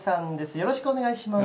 よろしくお願いします。